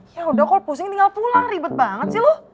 yaudah kok lu pusing tinggal pulang ribet banget sih lu